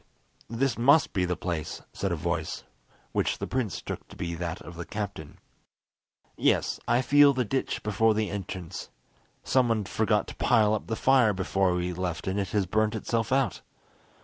"This must be the place," said a voice, which the prince took to be that of the captain. "Yes, I feel the ditch before the entrance. Someone forgot to pile up the fire before we left and it has burnt itself out!